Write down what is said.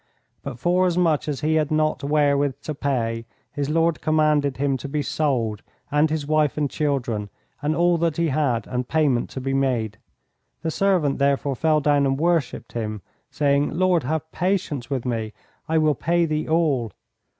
But forasmuch as he had not wherewith to pay, his lord commanded him to be sold, and his wife and children, and all that he had, and payment to be made. The servant therefore fell down and worshipped him, saying, Lord, have patience with me; I will pay thee all.